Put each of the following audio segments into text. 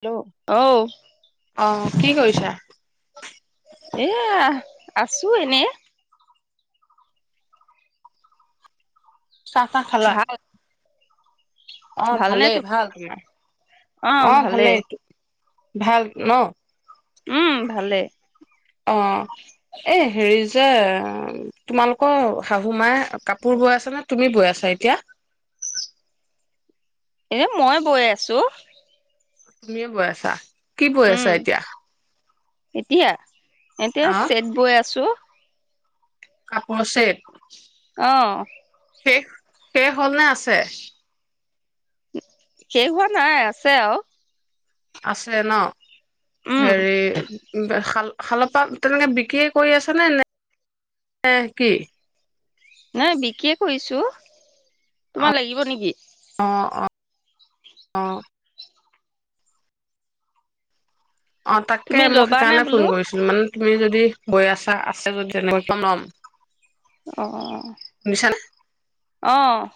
Hello আও। অ কি কৰিছা। এয়া আছো এনে। চা তা খালা। ভাল অ ভালনে তো ভালেই ভাল তোমাৰ অ ভালেই এইটো। ভাল ন। উম ভালে অঁ এই হেৰি যে তোমালোকৰ শাহু মাইে কাপোৰ বৈ আছ নে তুমি বৈ আছা এতিয়া। এনে মই বৈ আছো। তুমিয়ে বৈ আছা। কি বৈ উম আছা এতিয়া। এতিয়া। এতিয়া আহ চছেেট বৈ আছো। কাপোৰ চট। অহ শেষ হ'ল নে আছে? শেষ হোৱা নাই আছে আৰু। আছে ন'। উম হেৰি ডেউখাল শালৰ পাত তেনেকে বিকিয়ে কৰি আছেনে নে কি? নাই বিকিয়ে কৈৰিছো। তোমাক লাগিব নেকি? অ'। অ', তাকে তুমি মই ল'বা নে সেইকাৰণে বোলো ফোন কৰিছিলো মানে তুমি যদি যদি বৈ আছা আছে যদি মই এখন লম। অ'। অ'।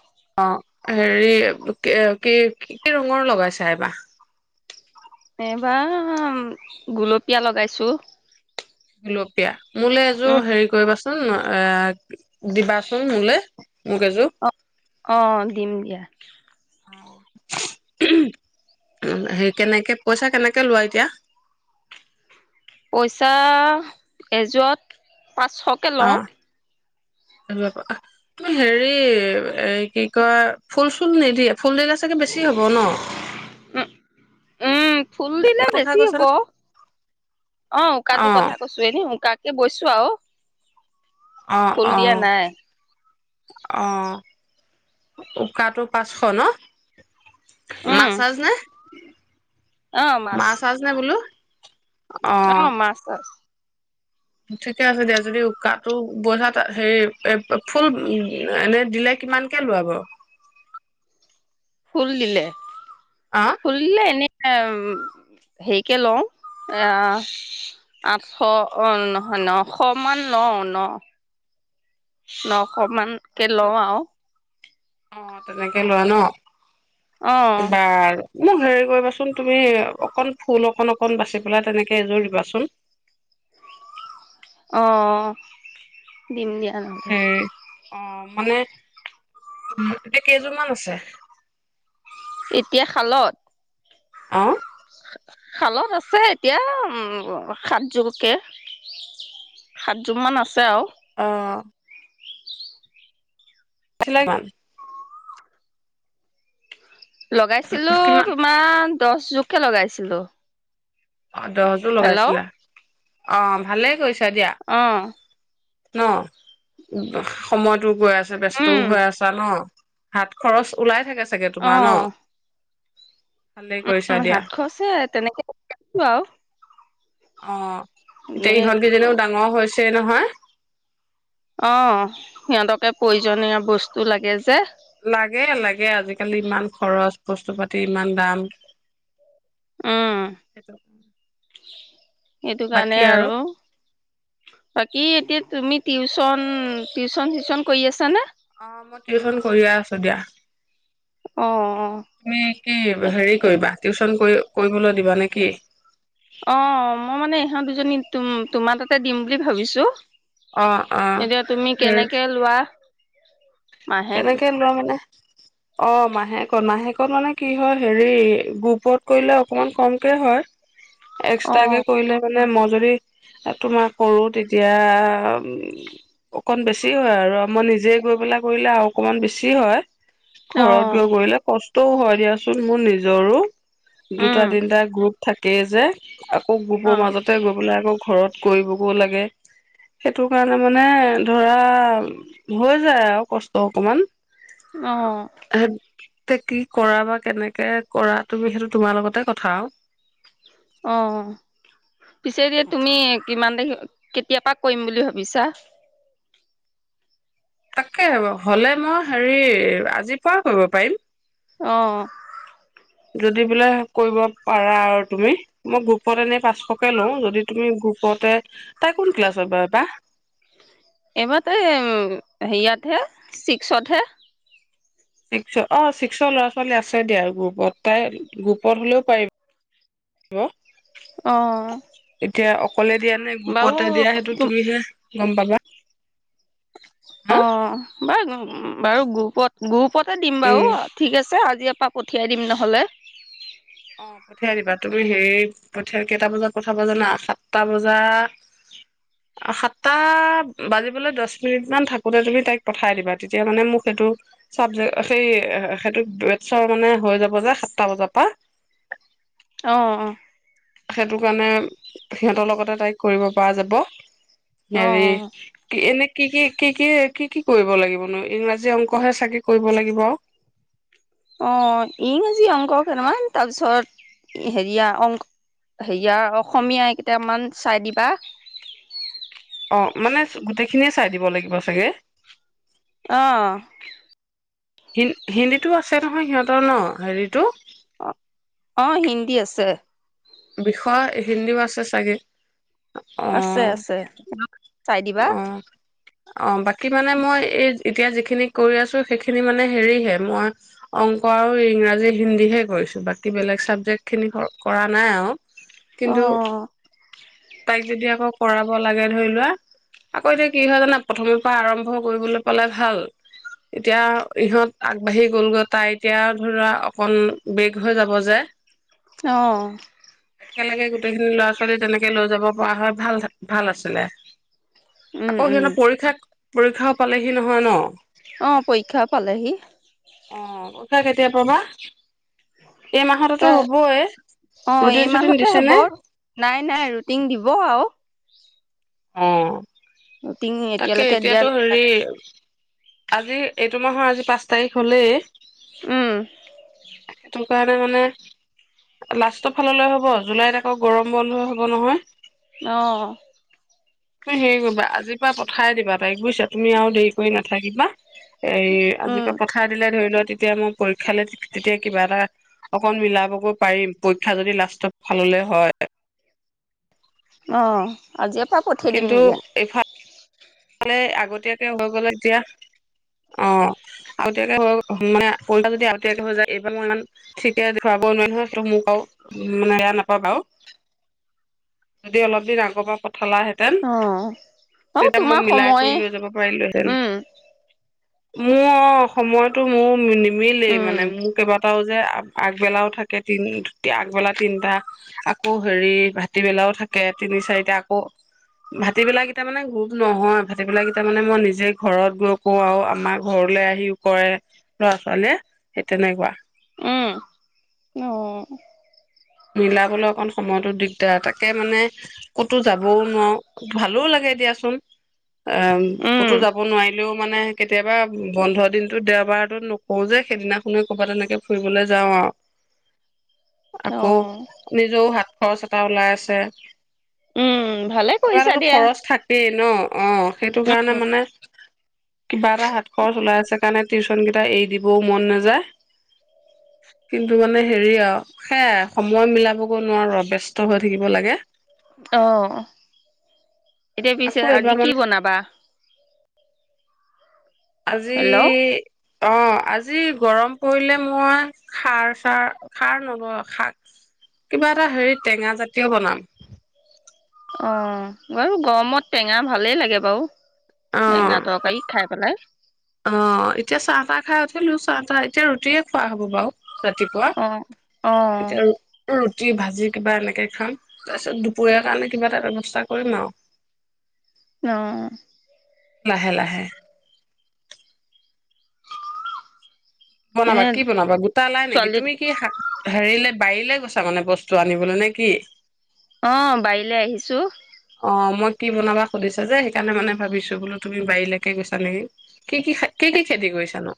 অ', হেৰি কি কি ৰঙৰ লগাইছা এইবা? এইবাৰ গুলপীয়া লগাইছো। গুলপিয়া। মোলে এযোৰ উম হেৰি কৰিবা চ উম, এ দিবাচোন মোলে। মোক এযোৰ অ', অ'। দিম দিয়া। হেৰি কেনেকে, পইচা কেনেকে লোৱা এতিয়া? পইচা এযোৰত পাঁচশকে লওঁ। তুমি হেৰি এ কি কয় ফুল চুল নিদিয়া? ফুলদিলে চাগে বেছি হ'ব ন'। উম উম ফুল দিলে কথা বেছি কৈছা হ'ব নে অ', উকাটো কথা কৈছো এনে উকা এ বৈছো আৰু। অ', ফুল দিয়া অ'। নাই অ', উকাটো পাঁচশ ন'? উম মাছাজ নে? অ মাছ মাছাজ নে বোলো? অ', মাছাজ। ঠিকে আছে দিয়া যদি উকাটো বোৱাত হেৰি ফুল এনে দিলে কিমানকে লোৱা বাৰু? ফুল দিলে। আহ ফুলদিলে এনে এ হেৰিকে লওঁ আ, আঠশ অ', নহয় নশ মান লওঁ ন' ন' অকমানকে লওঁ আও। অ', তেনেকে লোৱা অ ন'। বাৰ মোক হেৰি কৰিবাচোন তুমি অকন ফুল অকন অকন বাচি পেলাই তেনেকে এযোৰ দিবাচোন। অ', দিম দিয়া। তেনেকে হেৰি অ', মানে এতিয়া কেইযোৰমান আছে? এতিয়া খালত অহ। খালত আছে এতিয়া উম, সাতযোৰকে সাতযোৰ মান আছে আৰু। অহ। [unintelligible] লগাইছিলো কিমান তোমাৰ দহ জোখে লগাইছিলো। অ', দহজোৰ হেল্ল' লগাইছিলা। অ', ভালে কৈছো অহ। ন' উম, সমত গৈ আছে ব ব্যস্তও উম হৈ আছা ন'। হাত খৰচ ওলাই থাকে। চাগে তোমাৰ ন'। ভালেই উ, কৰিছা দিয়া সাতশছে তেনেকেছো আৰু। অ'। এতিয়া এ ইহঁত কেইজনেও ডাঙৰ হৈছে নহয়। অ', সিহঁতকে প্ৰয়োজনীয় বস্তু লাগে যে। লাগে, লাগে আজিকালি ইমান খৰচ বস্তু পাতি ইমান দাম। উম [unintelligible] সেইটো কাৰণে আৰু বাকী এতিয়া তুমি টিউচন, টিউচন চিউচন কৰি আছানে? অ', মই টিউচন কৰিয়ে আছো দিয়া। অ তুমি কি হেৰি কৰিবা টিউচন কৰি কৰিবলৈ দিবা নেকি? অ', মই মানে ইহঁত দুজনী তুম তোমাৰ তাতে দিম বুলি ভাবিছো। অ', অ'। এতিয়া তুমি হেৰি কেনেকে লোৱা? মাহেক কেনেকে লোৱা মানে অ', মাহেক শেকত মানে কি হয় হেৰি গোপত কৰিলে অকমান কমকে হয়। অ এক্সট্ৰাক কে কৰিলে মানে ম যদি তোমাৰ কৰো তেতিয়া অকণ বেছি হয় আৰু মই নিজে গৈ পেলাক কৰিলে আৰু অকণমান বেছি হয়। অ ঘৰত গৈ কলিলে কষ্ ত' হয় দিয়াচোন মোৰ নিজৰো, দুটা উম তিনটা গ্ৰুপ থাকেই যে। আকৌ গোপৰ অ মাজতে গৈ পেলাই আকৌ ঘৰত কৰিবগৈ লাগে সেইটো কাৰণে মানে ধৰা হৈ যায় আৰু কষ্ট অকমান। অহ। তে কি কৰা বা কেনেকে কৰা তুমি সেইটো তোমাৰ লগতে কথা আৰু। অ', পিছে দি তুমি কিমান দেখি কেতিয়াপা কৰিম বুলি ভাবিছা? তাকে হ হ'লে মই হেৰি আজি পুৱা কৰিব পাৰিম। অহ। যদি বোলে কৰিব পাৰা আৰু তুমি মই গ্ৰুপত এনেই পাঁচশকে লওঁ যদি তুমি গ্ৰুপতে তাই কোন ক্লাছৰ ব বা? এইবাৰতে হেৰিয়াতহে ছিক্সতহে। ছিক্স অ', ছিক্সৰ ল'ৰা-ছোৱালী আছে দিয়া আৰু গ্ৰুপত তাই গ্ৰুপত হ'লেও পাৰিব। অহ। যে অকলে দিয়া নে গোপতে দিয়া সেইটো তুমিহে গম পাবা। হা অ'। বাৰ বাৰু গ্ৰুপত গ্ৰুপ পতে দিম উম বাৰু, ঠিক আছে। তিয়াৰপা পঠিয়াই দিম নহ'লে। অ', পঠিয়াই দিবা তুমি সেই পিয়াই কেইটা বজাত পঠাবা জানা সাতটা বজা সাতটা বাজিবলৈ দহ মিনিট মান থাকোতে তুমি তাইক পঠাই দিবা তেতিয়া মানে মোক সেইটো চাবজেক সেই সেইটোটৰ মানে হৈ যাব যে সাতটা বজাৰ পৰা। [inaudible] অ', অ'। সেইটো কাৰণে সিহঁতৰ লগতে তাইক কৰিব পৰা যাব। অ হৰি কি এনে কি, কি, কি, কি, কি, কি কৰিব লাগিবনো ইংৰাজী অংকহে চাগে কৰিব লাগিব আৰু। অ', ইংৰাজী অংক কেইটামান তাৰপিছত হেৰিয়া অংক হেৰিয়া অং অসমীয়া কেইটামান চাই দিবা। অ', মানে গোটেইখিনিয়ে চাই দিব লাগিব চাগে? অহ। হি হিন্দীতটো আছে নহয় সিহঁতৰ ন' হেৰিটো? অ', অ', হিন্দী আছে। বিষয় হিন্দীও আছে চাগে। অ আছে, আছে। চাই দিবা। অ অ', বাকী মানে মই এই এতিয়া যিখিনি কৰি আছো সেইখিনি মানে হেৰিহে মই অংক আৰু ইংৰাজী হিন্দীহে কৰিছো বাকী বেলেগ চাবজেক্ট খিনি কৰা নাই আৰু। অ কিন্তু তাইক যদি আকৌ কৰাব লাগে ধৰি লোৱা আকৌ এতিয়া কি হয় জানা প্ৰথমে পৰা আৰম্ভ কৰিবলৈ পালে ভাল এতিয়া ইহঁত আগবাঢ়ি গলগৈ তাই এতিয়া ধৰিলোৱা অকন বেগ হৈ যাব যে। অহ। একেলগে গোটেইখিনি ল'ৰা-ছোৱালী তেনেকে লৈ যাব পৰা হয় ভাল ভাল আছিলে। উম আকৌ উম সিহঁনে পৰীক্ষা পৰীক্ষাও পালেহি নহয় ন'। অ', পৰীক্ষা পালেহি। কা কেতিয়া পা বা? ত অ', ৰুটিন এই চুটিন মাহতে দিছে হ'ব নে নাই নাই ৰুটিন দিব আৰু। অ'। ৰুটিন তাকে এতিয়ালৈকে দিয়া এতিয়াতো নাই। হেৰি আজি এইটো মাহৰ আজি পাঁচ তাৰিখ হ'লেই। উম। সেইটো কাৰণে মানে লাষ্টৰ ফাললৈ হ'ব জুলাইত আকৌ গৰম বন্ধ হ'ব নহয়। অহ। হেৰি কৰিবা আজিৰ পৰা পঠাই দিবা তাইক। বুজছ' তুমি আৰু দেৰি কৰি নাথাক যিবা এ উম আজিকাল পথাৰ দিলে ধৰি লওঁ তেতিয়া মই পৰীক্ষালৈ তেতিয়া কিবা এটা অকন মিলাবগৈ পাৰিম পৰীক্ষা যদি লাষ্টৰ ফাললে হয়। অ', আজি তৰা পঠাই দিম দিয়া। ফালে আগতীয়াকে হৈ গলে এতিয়া অ', আগতীয়াকে হৈ মানে পোনটা যদি আগতীয়াকে হৈ যায় এইবাৰ মোৰ ইমান ঠিকে খৰাব নোৱোৱাৰ নহয় মোক আৰু মানে বেয়া নাপাব আৰু যদি অলপ দিন আগৰ পৰা পঠালাহেঁতেন অ', অ'। তেতিয়া মই তোমাৰ মিলাই সময়ে কৰি লৈ যাব পাৰিলোহেঁন। উম মোৰ অ', সময়তো মোৰ নিমিলেই উম মানে মোৰ কেইবাটাও যে আ আগবেলাও থাকে তিনি দু আগবেলা তিনটা আকৌ হেৰি ভাটিবেলাও থাকে তিনি চাৰিটা আকৌ ভাটিবেলা কেইটা মানে ঘূ নহয় ভাটিবেলাকাকেইটা মানে মই নিজে ঘৰত গৈ কো আৰু আমাৰ ঘৰলৈ আহিও কৰে ল'ৰা-ছোৱালীয়ে সেই তেনেকুৱা উম, অ'। মিলাবলে অকণ সময়তো দিগদাৰ তাকে মানে ক'তো যাবও নোৱাৰোঁ ভালো লাগে দিয়াচোন। অ', উম ক'তো যাব নোৱাৰিলেও মানে কেতিয়াবা বন্ধ দিনতো দেওবাৰটোত নকৰো যে সেইদিনাখনে কৰ'বাত তেনেকে ফুৰিবলৈ যাওঁ আৰু। অ আকৌ নিজেও হাত খৰচ এটা ওলাই আছে। উম ভালে কিবা কৰিছা এটাটো দিয়া খৰচ থাকেই ন'। অ', সেইটো কাৰণে মানে কিবা এটা হাতসচ উলাই আছে কাৰণে টিউ নন কেইটা এৰি দিবও মন নাযায়। কিন্তু মানে [inaudible] হেৰি অ', সেয়া সময় মিলাবগৈ নোৱাৰো ব্যস্ত হৈ থাকিব লাগে। অহ। এতিয়া পিছে আকৌ আজি এইবাৰ মানে কি বনাবা? আজি হেল্ল' অ', আজি গৰম পৰিলে মই খাৰ চাৰ খাৰ ন' খাক কিবা এটা হেৰি টেঙা জাতীয় বনাম। অ', বাৰু গৰমত টেঙা ভালেই লাগে বাৰু। টেঙা অ', তৰকাৰী খাই পেলাই অ', এতিয়া চাহ তাহ খাই উঠিলো চাহ তাহ এতিয়া ৰুটিয়ে খোৱা হ'ব বাৰু। ৰাতিপুৱা অ অ এতিয়া উম, ৰুত ৰুটি ভাজি কিবা এনেকে খাম তাৰপিছত দুপৰীয়া কাৰণে কিবা এটা ব্যৱস্থা কৰিম আৰু। অ'। লাহে, লাহে। বনাবা এনে কি বনাবা গোটা লাই নেকি ছোৱালী তুমি কি হেৰিলে বাৰীলে গৈছা ত মানে বস্তু আনিবলৈ নে কি অ', বাৰিলে আহিছোঁ। ছো অ', মই কি বনাবা সুধিছা যে সেইকাৰণে মানে ভাবিছো বোলো তুমি বাৰীলৈকে গৈছা নেকি, কি কি খ কি কি খেতি কৰিছা নো?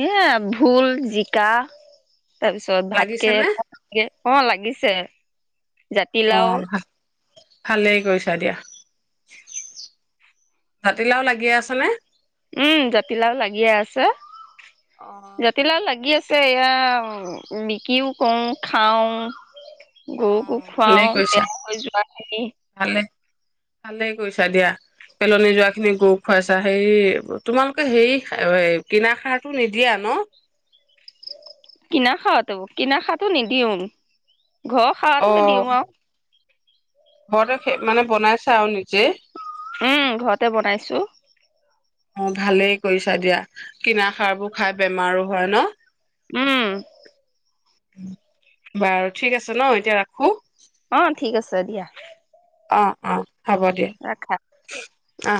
এ ভুল জিকা তাৰপিছত লাগিছে নে? ভাতকেৰো লে অ', লাগিছে অ জাতিলাও ভা ভালেই কৰিছা দিয়া, জাতিলাও লাগি আছে নে? উম, জাতিলাও লাগিয়ে আছে, অ জাতিলাও লাগি আছ এয়া বিকিও কৰোঁ খাওঁ। অ গৰুকো খুৱাও ভালেই কৰিছা বেয়া হৈ যোৱাখিনি। ভালে ভালেই কৰিছা দিয়া পেলনি যোৱা খিনি গৰু খুৱাইছা, হেৰি তোমালোকে হেৰি কিনা খাৰটো নিদিয়া ন'? কিনা খাৰ তো কিনা খাতো নিদিওঁ। ঘৰ অ খাৰটোতে দিওঁ আৰু। ঘৰতে মানে বনাইছো আৰু নিকি? উম, ঘৰতে বনাইছো। অ', ভালেই কৰিছা দিয়া, কিনা সাৰবোৰ খাই বেমাৰো হয় ন' । উম। বাৰু ঠিক আছে ন', এতিয়া ৰাখো? অ ঠিক আছে দিয়া। অ', অ'। হ'ব দিয়া, ৰাখা অ'।